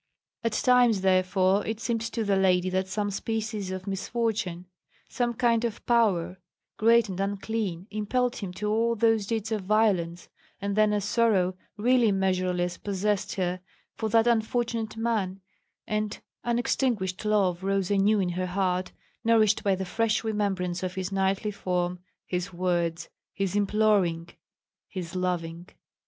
At times, therefore, it seemed to the lady that some species of misfortune, some kind of power, great and unclean, impelled him to all those deeds of violence; and then a sorrow really measureless possessed her for that unfortunate man, and unextinguished love rose anew in her heart, nourished by the fresh remembrance of his knightly form, his words, his imploring, his loving.